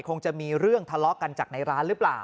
คงจะมีเรื่องทะเลาะกันจากในร้านหรือเปล่า